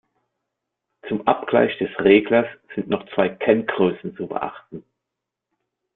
Zum Abgleich des Reglers sind noch zwei Kenngrößen zu beachten.